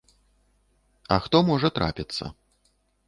А хто можа трапіцца.